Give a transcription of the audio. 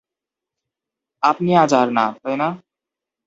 আপনি-আজ আর না, তাই না?